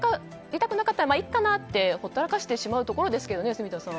痛くなかったらいいかなってほったらかしてしまうところですけどね。